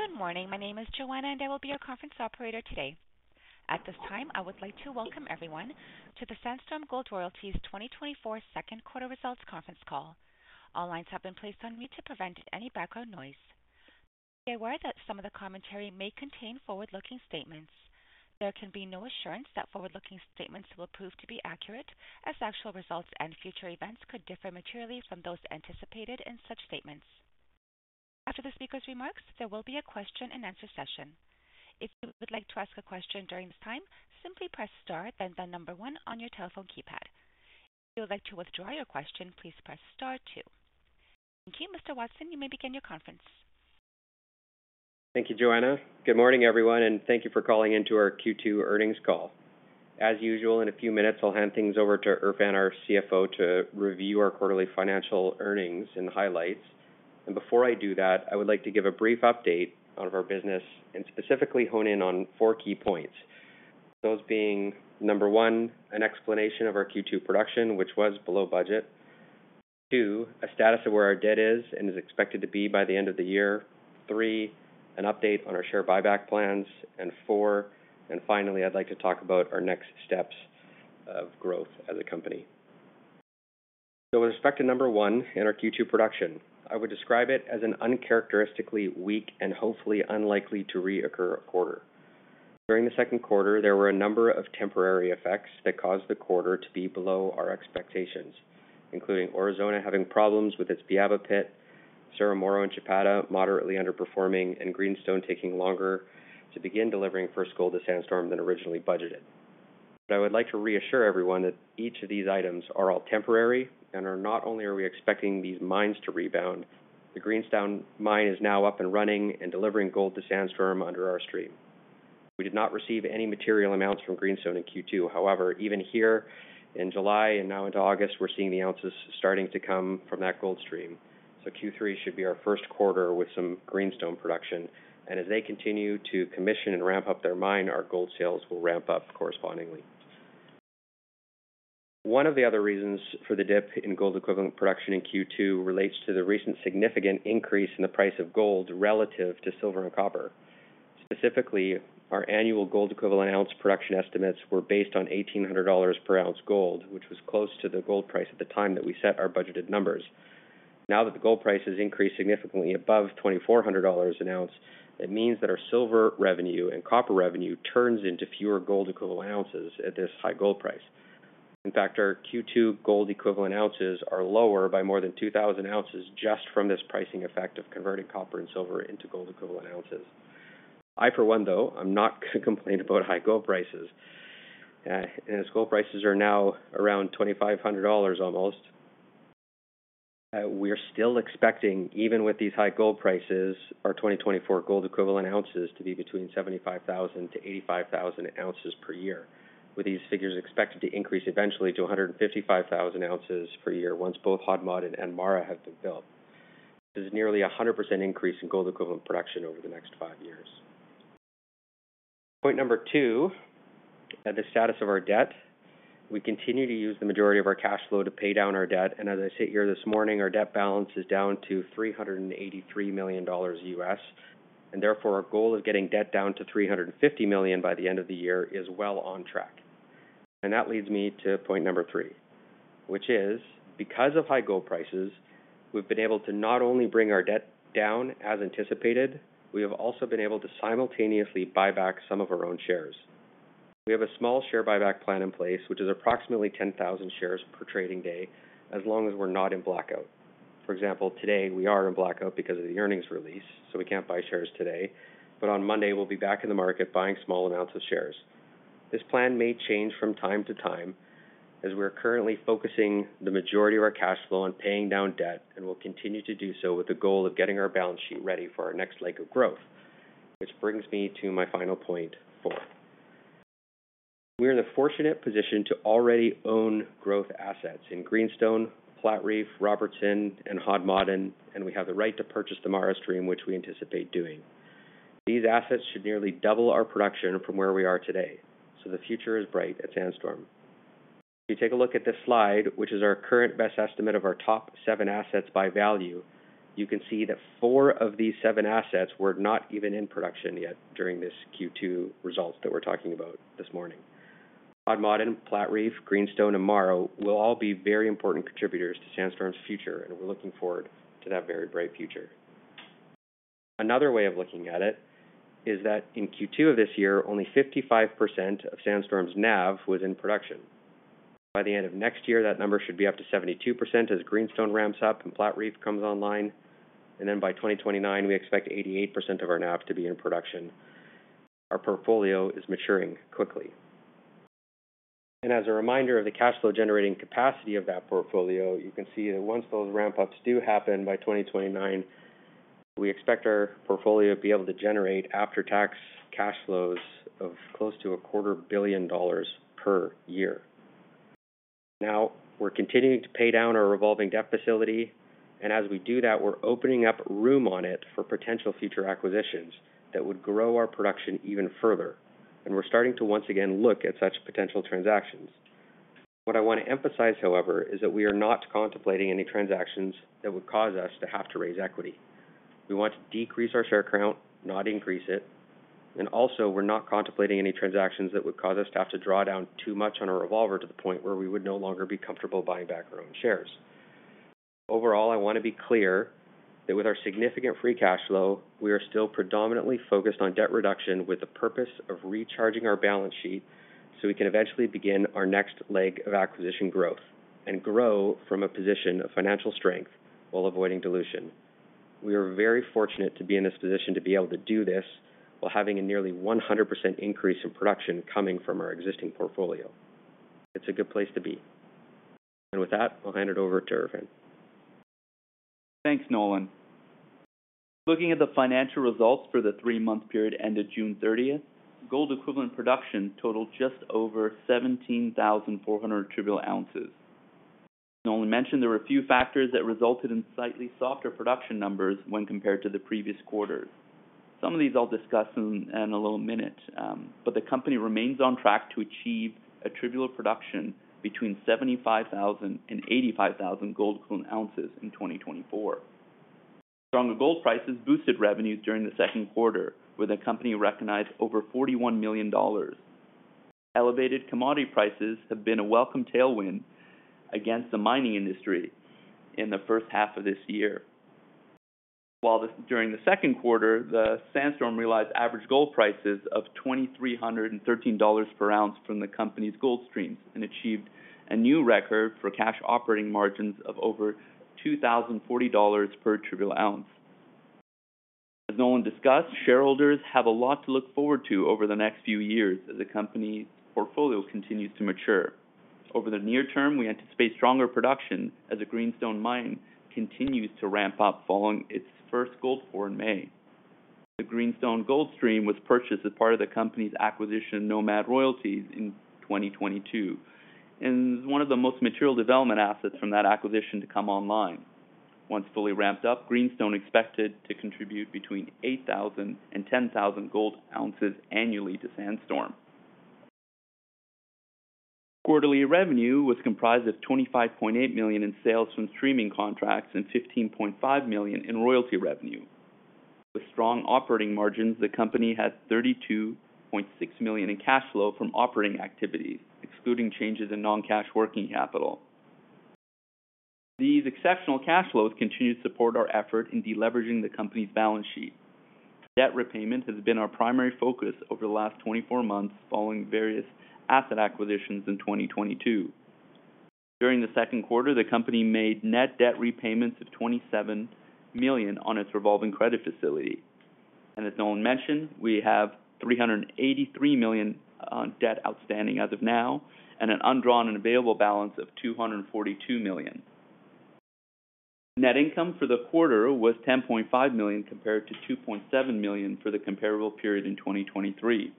Good morning. My name is Joanna, and I will be your conference operator today. At this time, I would like to welcome everyone to the Sandstorm Gold Royalties 2024 second quarter results conference call. All lines have been placed on mute to prevent any background noise. Be aware that some of the commentary may contain forward-looking statements. There can be no assurance that forward-looking statements will prove to be accurate, as actual results and future events could differ materially from those anticipated in such statements. After the speaker's remarks, there will be a question-and-answer session. If you would like to ask a question during this time, simply press star, then the number one on your telephone keypad. If you would like to withdraw your question, please press star two. Thank you. Mr. Watson, you may begin your conference. Thank you, Joanna. Good morning, everyone, and thank you for calling into our Q2 earnings call. As usual, in a few minutes, I'll hand things over to Erfan, our CFO, to review our quarterly financial earnings and highlights. Before I do that, I would like to give a brief update on our business and specifically hone in on four key points. Those being, number one, an explanation of our Q2 production, which was below budget. Two, a status of where our debt is and is expected to be by the end of the year. Three, an update on our share buyback plans. And four, and finally, I'd like to talk about our next steps of growth as a company. With respect to number one in our Q2 production, I would describe it as an uncharacteristically weak and hopefully unlikely to reoccur quarter. During the second quarter, there were a number of temporary effects that caused the quarter to be below our expectations, including Aurizona having problems with its Piaba pit, Cerro Moro and Chapada, moderately underperforming, and Greenstone taking longer to begin delivering first gold to Sandstorm than originally budgeted. But I would like to reassure everyone that each of these items are all temporary and are not only are we expecting these mines to rebound, the Greenstone mine is now up and running and delivering gold to Sandstorm under our stream. We did not receive any material amounts from Greenstone in Q2. However, even here in July and now into August, we're seeing the ounces starting to come from that gold stream. So Q3 should be our first quarter with some Greenstone production, and as they continue to commission and ramp up their mine, our gold sales will ramp up correspondingly. One of the other reasons for the dip in gold equivalent production in Q2 relates to the recent significant increase in the price of gold relative to silver and copper. Specifically, our annual gold equivalent ounce production estimates were based on $1,800 per ounce gold, which was close to the gold price at the time that we set our budgeted numbers. Now that the gold price has increased significantly above $2,400 an ounce, it means that our silver revenue and copper revenue turns into fewer gold equivalent ounces at this high gold price. In fact, our Q2 gold equivalent ounces are lower by more than 2,000 ounces just from this pricing effect of converting copper and silver into gold equivalent ounces. I, for one, though, I'm not going to complain about high gold prices. As gold prices are now around $2,500 almost, we're still expecting, even with these high gold prices, our 2024 gold equivalent ounces to be between 75,000 to 85,000 ounces per year, with these figures expected to increase eventually to 155,000 ounces per year once both Hod Maden and MARA have been built. This is nearly 100% increase in gold equivalent production over the next five years. Point number two, at the status of our debt, we continue to use the majority of our cash flow to pay down our debt, and as I sit here this morning, our debt balance is down to $383 million. Therefore, our goal of getting debt down to $350 million by the end of the year is well on track. And that leads me to point number three, which is because of high gold prices, we've been able to not only bring our debt down as anticipated, we have also been able to simultaneously buy back some of our own shares. We have a small share buyback plan in place, which is approximately 10,000 shares per trading day, as long as we're not in blackout. For example, today we are in blackout because of the earnings release, so we can't buy shares today, but on Monday, we'll be back in the market buying small amounts of shares. This plan may change from time to time, as we are currently focusing the majority of our cash flow on paying down debt, and will continue to do so with the goal of getting our balance sheet ready for our next leg of growth. Which brings me to my final point, four. We are in a fortunate position to already own growth assets in Greenstone, Platreef, Robertson, and Hod Maden, and we have the right to purchase the MARA stream, which we anticipate doing. These assets should nearly double our production from where we are today, so the future is bright at Sandstorm. If you take a look at this slide, which is our current best estimate of our top seven assets by value, you can see that four of these seven assets were not even in production yet during this Q2 results that we're talking about this morning. Hod Maden, Platreef, Greenstone and MARA will all be very important contributors to Sandstorm's future, and we're looking forward to that very bright future. Another way of looking at it is that in Q2 of this year, only 55% of Sandstorm's NAV was in production. By the end of next year, that number should be up to 72% as Greenstone ramps up and Platreef comes online. Then by 2029, we expect 88% of our NAV to be in production. Our portfolio is maturing quickly. As a reminder of the cash flow generating capacity of that portfolio, you can see that once those ramp-ups do happen by 2029, we expect our portfolio to be able to generate after-tax cash flows of close to $250 million per year. Now, we're continuing to pay down our revolving debt facility, and as we do that, we're opening up room on it for potential future acquisitions that would grow our production even further. We're starting to once again look at such potential transactions. What I want to emphasize, however, is that we are not contemplating any transactions that would cause us to have to raise equity. We want to decrease our share count, not increase it, and also we're not contemplating any transactions that would cause us to have to draw down too much on our revolver to the point where we would no longer be comfortable buying back our own shares. Overall, I want to be clear that with our significant free cash flow, we are still predominantly focused on debt reduction with the purpose of recharging our balance sheet, so we can eventually begin our next leg of acquisition growth and grow from a position of financial strength while avoiding dilution. We are very fortunate to be in this position to be able to do this, while having a nearly 100% increase in production coming from our existing portfolio. It's a good place to be. With that, I'll hand it over to Erfan. Thanks, Nolan. Looking at the financial results for the three-month period ended June thirtieth, gold equivalent production totaled just over 17,400 GEOs. Nolan mentioned there were a few factors that resulted in slightly softer production numbers when compared to the previous quarters. Some of these I'll discuss in a little minute, but the company remains on track to achieve attributable production between 75,000 and 85,000 gold equivalent ounces in 2024. Stronger gold prices boosted revenues during the second quarter, with the company recognized over $41 million. Elevated commodity prices have been a welcome tailwind against the mining industry in the first half of this year. During the second quarter, Sandstorm realized average gold prices of $2,313 per ounce from the company's gold streams, and achieved a new record for cash operating margins of over $2,040 per attributable ounce. As Nolan discussed, shareholders have a lot to look forward to over the next few years as the company's portfolio continues to mature. Over the near term, we anticipate stronger production as the Greenstone mine continues to ramp up following its first gold pour in May. The Greenstone gold stream was purchased as part of the company's acquisition, Nomad Royalties, in 2022, and one of the most material development assets from that acquisition to come online. Once fully ramped up, Greenstone expected to contribute between 8,000 and 10,000 gold ounces annually to Sandstorm. Quarterly revenue was comprised of $25.8 million in sales from streaming contracts and $15.5 million in royalty revenue. With strong operating margins, the company had $32.6 million in cash flow from operating activities, excluding changes in non-cash working capital. These exceptional cash flows continue to support our effort in deleveraging the company's balance sheet. Debt repayment has been our primary focus over the last 24 months following various asset acquisitions in 2022. During the second quarter, the company made net debt repayments of $27 million on its revolving credit facility. And as Nolan mentioned, we have $383 million on debt outstanding as of now, and an undrawn and available balance of $242 million. Net income for the quarter was $10.5 million, compared to $2.7 million for the comparable period in 2023.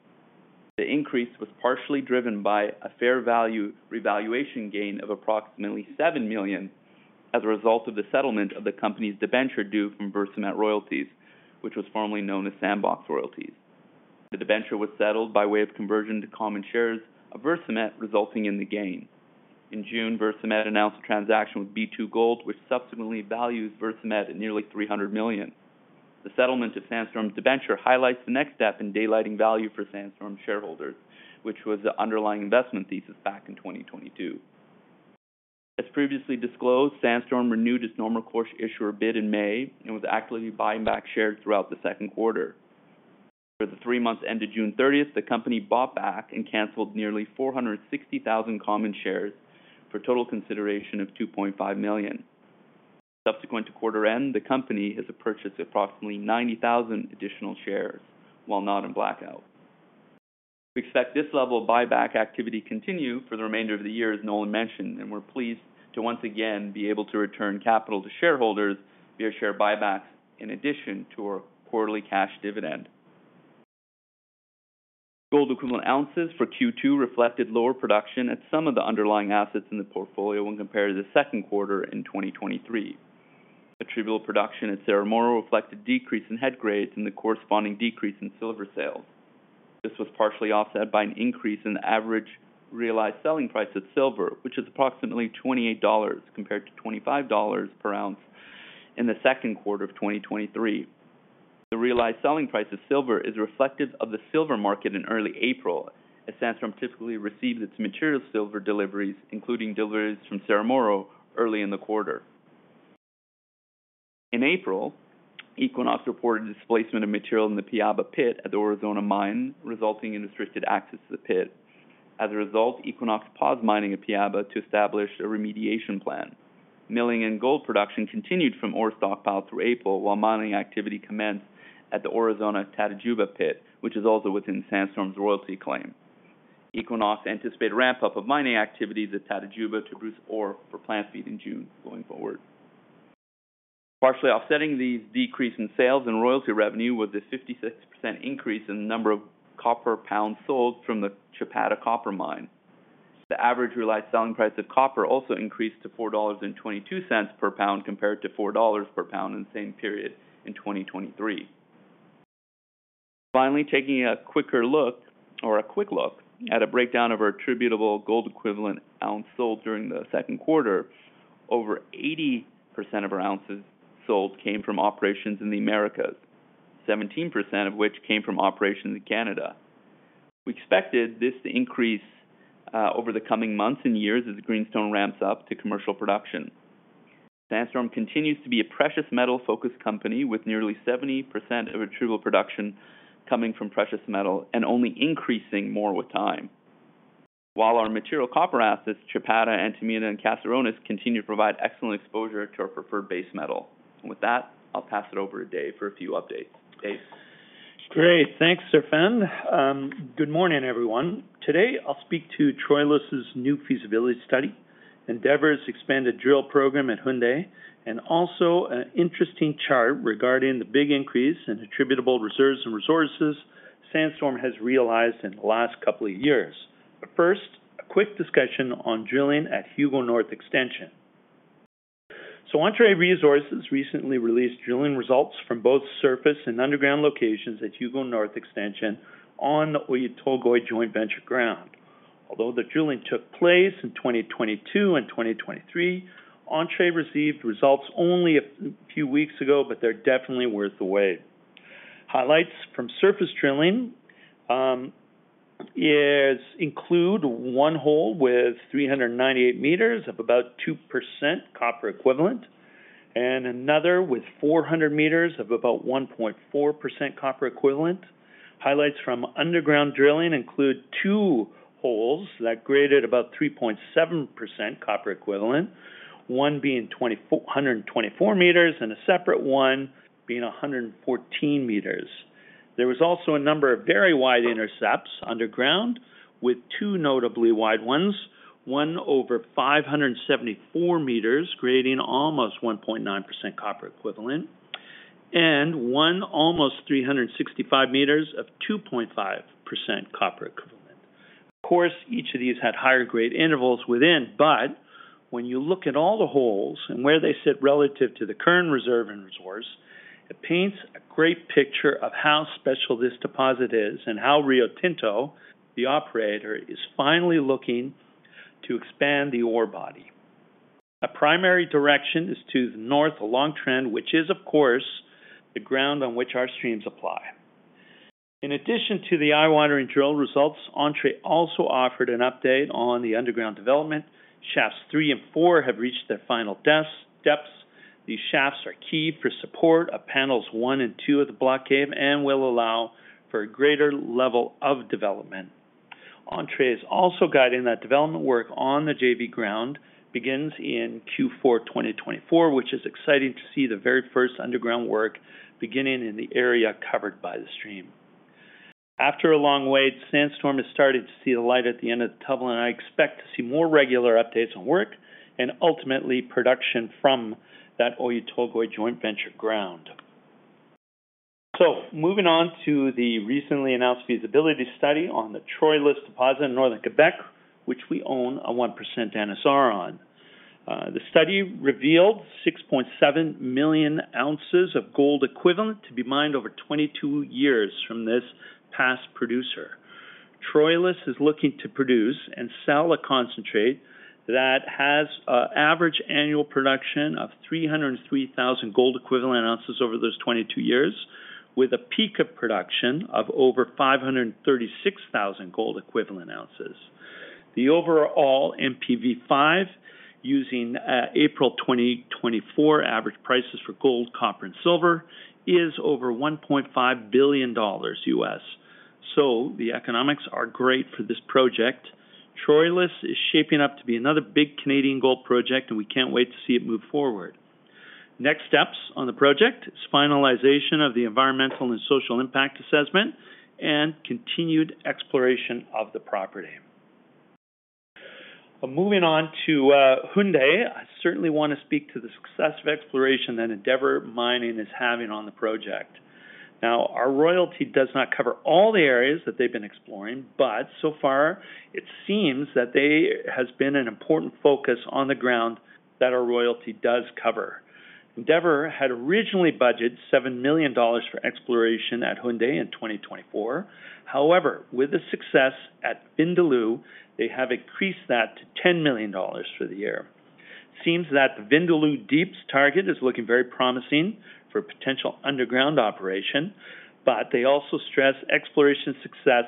The increase was partially driven by a fair value revaluation gain of approximately $7 million as a result of the settlement of the company's debenture due from Versamet Royalties, which was formerly known as Sandbox Royalties. The debenture was settled by way of conversion to common shares of Versamet, resulting in the gain. In June, Versamet announced a transaction with B2Gold, which subsequently values Versamet at nearly $300 million. The settlement of Sandstorm's debenture highlights the next step in daylighting value for Sandstorm shareholders, which was the underlying investment thesis back in 2022. As previously disclosed, Sandstorm renewed its normal course issuer bid in May and was actively buying back shares throughout the second quarter. For the three months ended June 30, the company bought back and canceled nearly 460,000 common shares for a total consideration of $2.5 million. Subsequent to quarter end, the company has purchased approximately 90,000 additional shares, while not in blackout. We expect this level of buyback activity to continue for the remainder of the year, as Nolan mentioned, and we're pleased to once again be able to return capital to shareholders via share buybacks in addition to our quarterly cash dividend. Gold equivalent ounces for Q2 reflected lower production at some of the underlying assets in the portfolio when compared to the second quarter in 2023. Attributable production at Cerro Moro reflected decrease in head grades and the corresponding decrease in silver sales. This was partially offset by an increase in the average realized selling price of silver, which is approximately $28 compared to $25 per ounce in the second quarter of 2023. The realized selling price of silver is reflective of the silver market in early April, as Sandstorm typically receives its material silver deliveries, including deliveries from Cerro Moro, early in the quarter. In April, Equinox reported displacement of material in the Piaba pit at the Aurizona mine, resulting in restricted access to the pit. As a result, Equinox paused mining at Piaba to establish a remediation plan. Milling and gold production continued from ore stockpile through April, while mining activity commenced at the Aurizona Tatajuba pit, which is also within Sandstorm's royalty claim. Equinox anticipated a ramp-up of mining activities at Tatajuba to produce ore for plant feed in June, going forward. Partially offsetting these decreases in sales and royalty revenue, was a 56% increase in the number of copper pounds sold from the Chapada Copper Mine. The average realized selling price of copper also increased to $4.22 per pound, compared to $4 per pound in the same period in 2023. Finally, taking a quicker look or a quick look at a breakdown of our attributable gold equivalent ounce sold during the second quarter. Over 80% of our ounces sold came from operations in the Americas, 17% of which came from operations in Canada. We expected this to increase over the coming months and years as the Greenstone ramps up to commercial production. Sandstorm continues to be a precious metal-focused company, with nearly 70% of attributable production coming from precious metal and only increasing more with time. While our material copper assets, Chapada, Antamina, and Caserones, continue to provide excellent exposure to our preferred base metal. With that, I'll pass it over to Dave for a few updates. Dave? Great. Thanks, Erfan. Good morning, everyone. Today, I'll speak to Troilus' new feasibility study, Endeavour's expanded drill program at Houndé, and also an interesting chart regarding the big increase in attributable reserves and resources Sandstorm has realized in the last couple of years. But first, a quick discussion on drilling at Hugo North Extension. So Entrée Resources recently released drilling results from both surface and underground locations at Hugo North Extension on the Oyu Tolgoi joint venture ground. Although the drilling took place in 2022 and 2023, Entrée received results only a few weeks ago, but they're definitely worth the wait. Highlights from surface drilling include one hole with 398 meters of about 2% copper equivalent, and another with 400 meters of about 1.4% copper equivalent. Highlights from underground drilling include 2 holes that graded about 3.7% copper equivalent, 1 being 2,424 meters and a separate 1 being 114 meters. There was also a number of very wide intercepts underground, with 2 notably wide ones, 1 over 574 meters, grading almost 1.9% copper equivalent, and 1 almost 365 meters of 2.5% copper equivalent. Of course, each of these had higher grade intervals within, but when you look at all the holes and where they sit relative to the current reserve and resource, it paints a great picture of how special this deposit is and how Rio Tinto, the operator, is finally looking to expand the ore body. A primary direction is to the north, a long trend, which is, of course, the ground on which our streams apply. In addition to the eye-watering drill results, Entrée also offered an update on the underground development. Shafts three and four have reached their final depths. These shafts are key for support of panels one and two of the block cave and will allow for a greater level of development. Entrée is also guiding that development work on the JV ground begins in Q4 2024, which is exciting to see the very first underground work beginning in the area covered by the stream. After a long wait, Sandstorm has started to see the light at the end of the tunnel, and I expect to see more regular updates on work and ultimately production from that Oyu Tolgoi joint venture ground. So moving on to the recently announced feasibility study on the Troilus deposit in Northern Quebec, which we own a 1% NSR on. The study revealed 6.7 million ounces of gold equivalent to be mined over 22 years from this past producer. Troilus is looking to produce and sell a concentrate that has an average annual production of 303,000 gold equivalent ounces over those 22 years, with a peak of production of over 536,000 gold equivalent ounces. The overall NPV 5, using April 2024 average prices for gold, copper and silver, is over $1.5 billion. So the economics are great for this project. Troilus is shaping up to be another big Canadian gold project, and we can't wait to see it move forward. Next steps on the project is finalization of the environmental and social impact assessment and continued exploration of the property. But moving on to Houndé, I certainly want to speak to the success of exploration that Endeavour Mining is having on the project. Now, our royalty does not cover all the areas that they've been exploring, but so far it seems that they has been an important focus on the ground that our royalty does cover. Endeavour had originally budgeted $7 million for exploration at Houndé in 2024. However, with the success at Vindaloo, they have increased that to $10 million for the year. Seems that the Vindaloo Deeps target is looking very promising for potential underground operation, but they also stress exploration success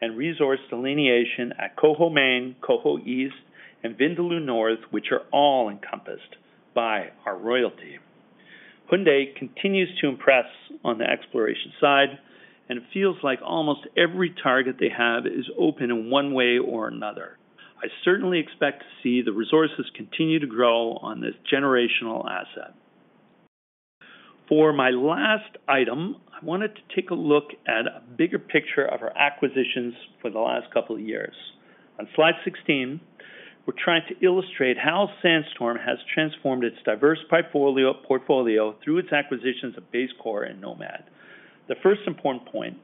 and resource delineation at Kari Main, Kari East, and Vindaloo North, which are all encompassed by our royalty. Houndé continues to impress on the exploration side, and it feels like almost every target they have is open in one way or another. I certainly expect to see the resources continue to grow on this generational asset. For my last item, I wanted to take a look at a bigger picture of our acquisitions for the last couple of years. On slide 16, we're trying to illustrate how Sandstorm has transformed its diverse portfolio through its acquisitions of BaseCore, and Nomad. The first important point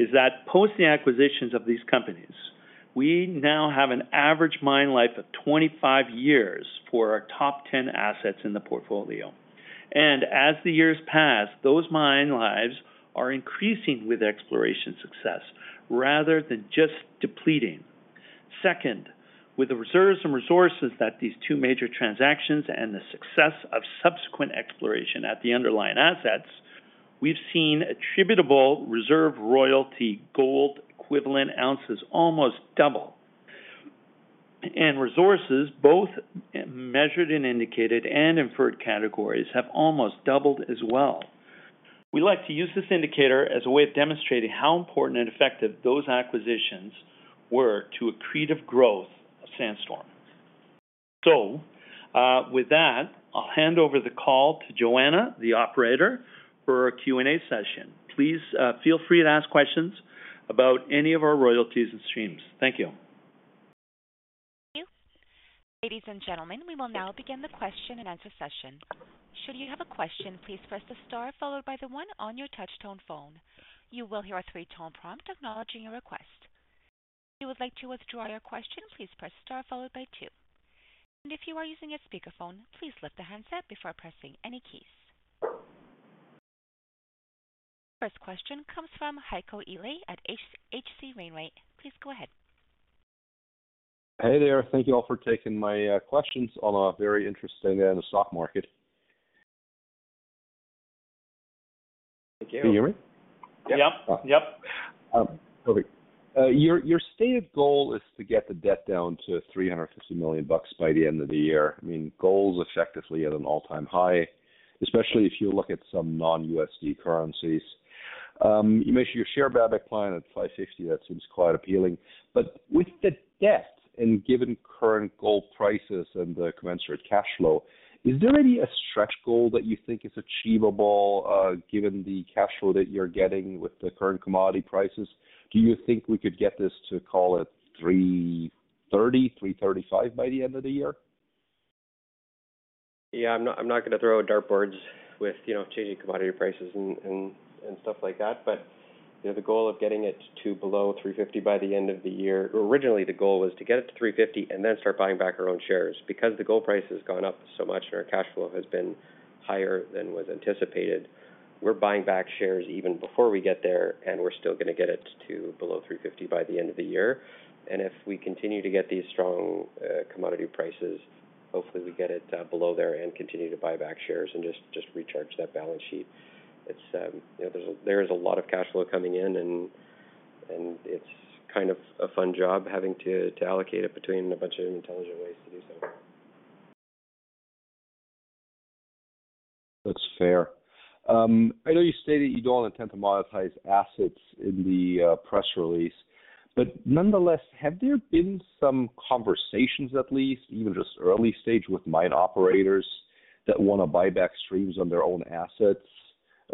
is that post the acquisitions of these companies- We now have an average mine life of 25 years for our top ten assets in the portfolio. And as the years pass, those mine lives are increasing with exploration success rather than just depleting. Second, with the reserves and resources that these two major transactions and the success of subsequent exploration at the underlying assets, we've seen attributable reserve royalty gold equivalent ounces almost double. And resources, both measured and indicated, and inferred categories, have almost doubled as well. We like to use this indicator as a way of demonstrating how important and effective those acquisitions were to accretive growth of Sandstorm. So, with that, I'll hand over the call to Joanna, the operator, for our Q&A session. Please, feel free to ask questions about any of our royalties and streams. Thank you. Thank you. Ladies and gentlemen, we will now begin the question-and-answer session. Should you have a question, please press the star followed by the one on your touchtone phone. You will hear a three-tone prompt acknowledging your request. If you would like to withdraw your question, please press star followed by two, and if you are using a speakerphone, please lift the handset before pressing any keys. First question comes from Heiko Ihle at H.C. Wainwright. Please go ahead. Hey there. Thank you all for taking my questions on a very interesting stock market. Thank you. Can you hear me? Yep, yep. Okay. Your, your stated goal is to get the debt down to $350 million by the end of the year. I mean, gold's effectively at an all-time high, especially if you look at some non-USD currencies. You mentioned your share buyback plan at $550, that seems quite appealing. But with the debt and given current gold prices and the commensurate cash flow, is there maybe a stretch goal that you think is achievable, given the cash flow that you're getting with the current commodity prices? Do you think we could get this to, call it, $330, $335 by the end of the year? Yeah, I'm not gonna throw dartboards with, you know, changing commodity prices and stuff like that, but, you know, the goal of getting it to below $350 by the end of the year. Originally, the goal was to get it to $350 and then start buying back our own shares. Because the gold price has gone up so much and our cash flow has been higher than was anticipated, we're buying back shares even before we get there, and we're still gonna get it to below $350 by the end of the year. And if we continue to get these strong commodity prices, hopefully we get it below there and continue to buy back shares and just recharge that balance sheet. It's, you know, there is a lot of cash flow coming in, and it's kind of a fun job having to allocate it between a bunch of intelligent ways to do so. That's fair. I know you stated you don't intend to monetize assets in the press release, but nonetheless, have there been some conversations, at least, even just early stage, with mine operators that want to buy back streams on their own assets,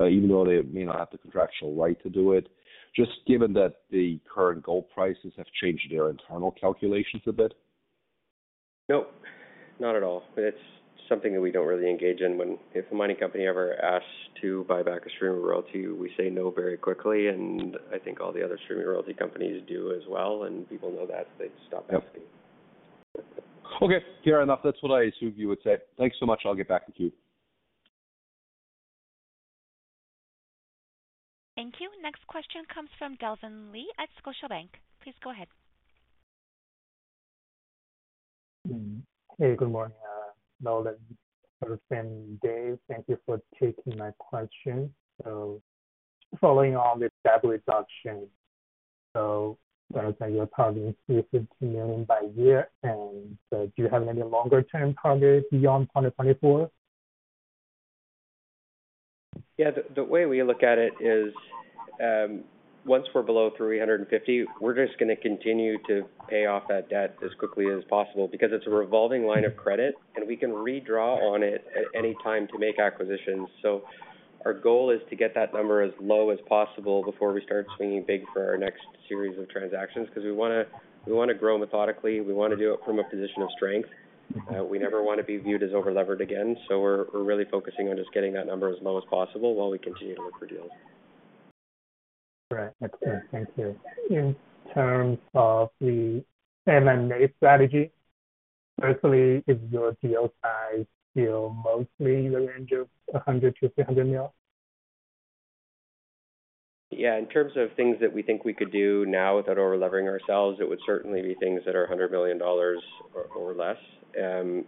even though they may not have the contractual right to do it, just given that the current gold prices have changed their internal calculations a bit? Nope, not at all. It's something that we don't really engage in. If a mining company ever asks to buy back a stream of royalty, we say no very quickly, and I think all the other stream royalty companies do as well, and people know that, they stop asking. Okay, fair enough. That's what I assumed you would say. Thanks so much. I'll get back to you. Thank you. Next question comes from Kelvin Lee at Scotiabank. Please go ahead. Hey, good morning, Nolan and Dave. Thank you for taking my question. So following on with debt reduction, so it sounds like you're targeting $350 million by year end, but do you have any longer-term target beyond 2024? Yeah, the way we look at it is, once we're below $350, we're just gonna continue to pay off that debt as quickly as possible, because it's a revolving line of credit, and we can redraw on it at any time to make acquisitions. So our goal is to get that number as low as possible before we start swinging big for our next series of transactions, because we wanna grow methodically. We wanna do it from a position of strength. We never want to be viewed as overlevered again, so we're really focusing on just getting that number as low as possible while we continue to look for deals. Right. That's fair. Thank you. In terms of the M&A strategy, firstly, is your deal size still mostly in the range of $100 million-$300 million? Yeah, in terms of things that we think we could do now without overlevering ourselves, it would certainly be things that are $100 million or less.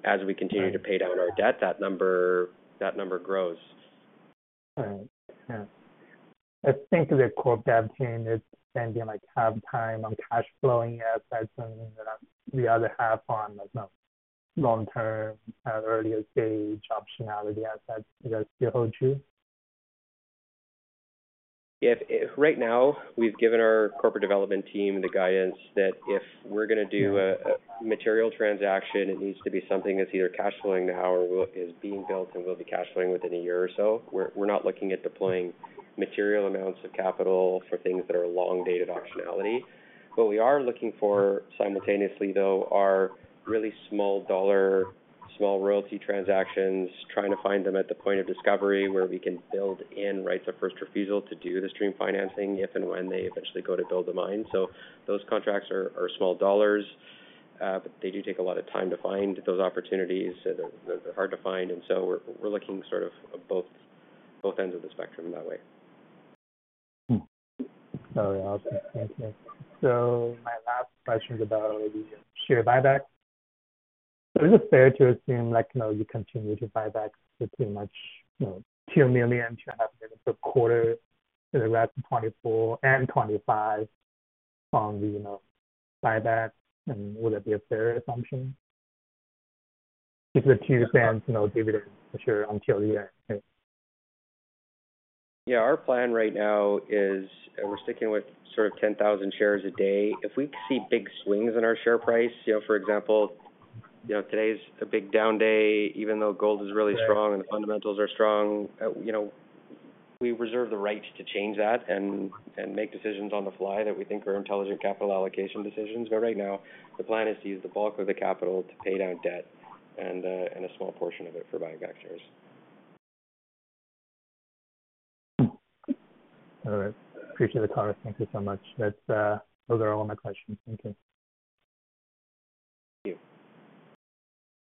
As we continue to pay down our debt, that number, that number grows. All right. Yeah. I think the core dev team is spending, like, half time on cash flowing assets and the other half on, like, long-term, earlier stage optionality assets. Does that still hold true? If right now, we've given our corporate development team the guidance that if we're gonna do a material transaction, it needs to be something that's either cash flowing now or is being built and will be cash flowing within a year or so. We're not looking at deploying material amounts of capital for things that are long dated optionality. What we are looking for simultaneously, though, are really small royalty transactions, trying to find them at the point of discovery, where we can build in rights of first refusal to do the stream financing, if and when they eventually go to build the mine. So those contracts are small dollars, but they do take a lot of time to find those opportunities. They're hard to find, and so we're looking sort of at both ends of the spectrum that way. All right, okay. So my last question is about the share buyback. Is it fair to assume, like, you know, you continue to buy back pretty much, you know, 2 million, 2.5 million per quarter in the rest of 2024 and 2025 on the, you know, buyback? And would that be a fair assumption, if the $2 stands, you know, dividend per share until the end, yeah. Yeah, our plan right now is, we're sticking with sort of 10,000 shares a day. If we see big swings in our share price, you know, for example, you know, today's a big down day, even though gold is really strong and the fundamentals are strong. You know, we reserve the right to change that and make decisions on the fly that we think are intelligent capital allocation decisions. But right now, the plan is to use the bulk of the capital to pay down debt and a small portion of it for buying back shares. Hmm. All right. Appreciate the comment. Thank you so much. That's... Those are all my questions. Thank you. Thank you.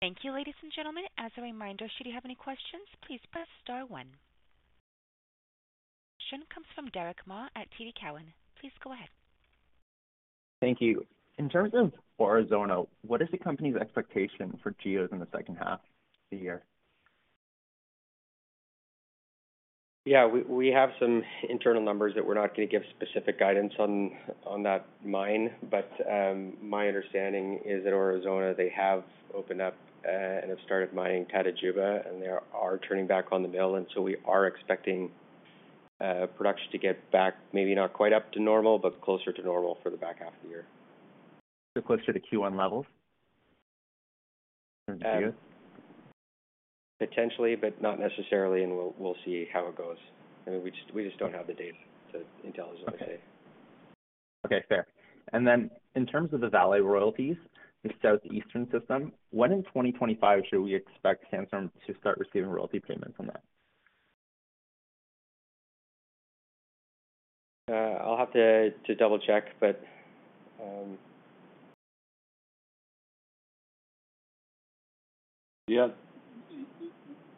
Thank you, ladies and gentlemen. As a reminder, should you have any questions, please press star one. The question comes from Derick Ma at TD Cowen. Please go ahead. Thank you. In terms of Aurizona, what is the company's expectation for GEOs in the second half of the year? Yeah, we have some internal numbers that we're not going to give specific guidance on, on that mine. But, my understanding is that Aurizona, they have opened up, and have started mining Tatajuba, and they are turning back on the mill, and so we are expecting, production to get back, maybe not quite up to normal, but closer to normal for the back half of the year. So closer to Q1 levels? Potentially, but not necessarily, and we'll see how it goes. I mean, we just don't have the data to intelligently say. Okay, fair. And then in terms of the Vale royalties, the Southeastern system, when in 2025 should we expect Sandstorm to start receiving royalty payments on that? I'll have to, to double-check, but, Yeah.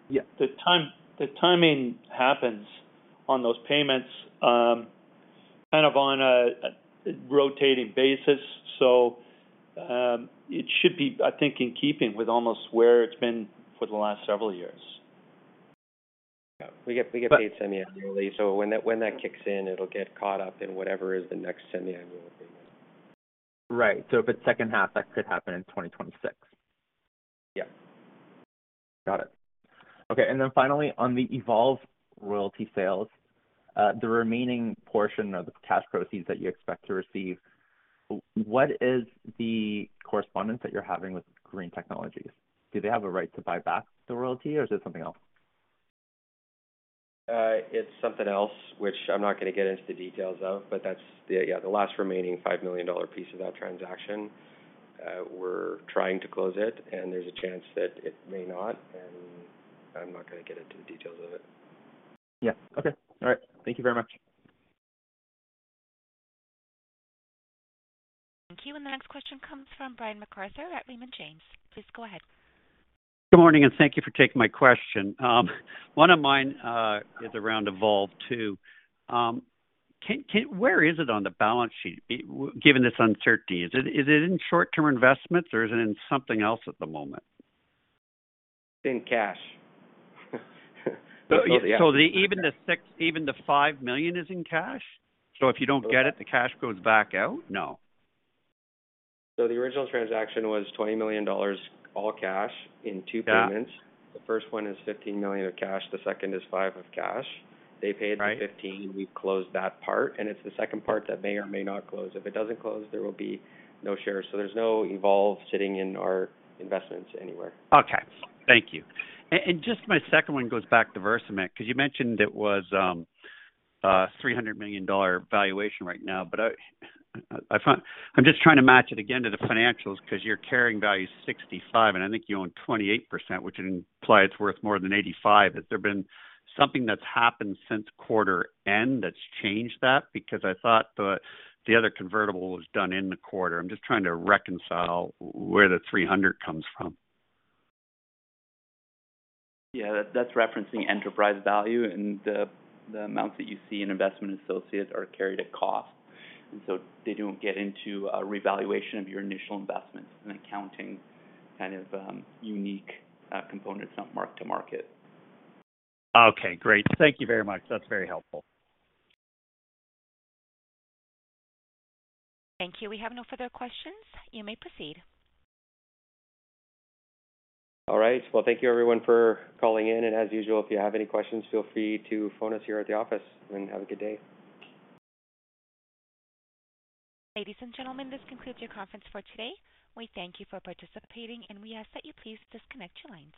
Yeah. The time - the timing happens on those payments, kind of on a rotating basis. So, it should be, I think, in keeping with almost where it's been for the last several years. Yeah, we get paid semiannually, so when that kicks in, it'll get caught up in whatever is the next semiannual payment. Right. So if it's second half, that could happen in 2026? Yeah. Got it. Okay, and then finally, on the Viking royalty sales, the remaining portion of the cash proceeds that you expect to receive, what is the correspondence that you're having with Green Technology Metals? Do they have a right to buy back the royalty, or is it something else? It's something else, which I'm not going to get into the details of, but that's the, yeah, the last remaining $5 million piece of that transaction. We're trying to close it, and there's a chance that it may not, and I'm not going to get into the details of it. Yeah. Okay. All right. Thank you very much. Thank you. And the next question comes from Brian MacArthur at Raymond James. Please go ahead. Good morning, and thank you for taking my question. One of mine is around Viking too. Where is it on the balance sheet, given this uncertainty? Is it in short-term investments or is it in something else at the moment? It's in cash. So, even the 6, even the $5 million is in cash? So if you don't get it, the cash goes back out? No. The original transaction was $20 million, all cash, in 2 payments. Yeah. The first one is $15 million of cash, the second is $5 million of cash. Right. They paid the $15, we've closed that part, and it's the second part that may or may not close. If it doesn't close, there will be no shares. So there's no Viking sitting in our investments anywhere. Okay, thank you. And just my second one goes back to Versamet, because you mentioned it was $300 million valuation right now, but I find... I'm just trying to match it again to the financials, because your carrying value is $65, and I think you own 28%, which would imply it's worth more than $85. Has there been something that's happened since quarter end that's changed that? Because I thought the other convertible was done in the quarter. I'm just trying to reconcile where the $300 comes from. Yeah, that's referencing enterprise value, and the amounts that you see in investment associates are carried at cost, and so they don't get into a revaluation of your initial investment and accounting, kind of, unique components, not mark to market. Okay, great. Thank you very much. That's very helpful. Thank you. We have no further questions. You may proceed. All right, well, thank you everyone for calling in, and as usual, if you have any questions, feel free to phone us here at the office, and have a good day. Ladies and gentlemen, this concludes your conference for today. We thank you for participating, and we ask that you please disconnect your lines.